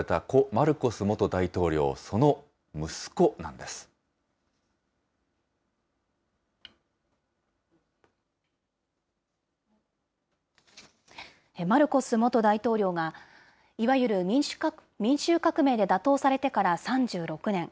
マルコス元大統領が、いわゆる民衆革命で打倒されてから３６年。